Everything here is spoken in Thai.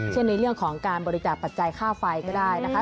เช่นในเรื่องของการบริจาคปัจจัยค่าไฟก็ได้นะคะ